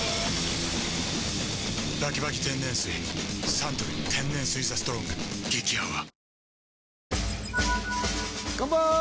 サントリー天然水「ＴＨＥＳＴＲＯＮＧ」激泡カンパーイ！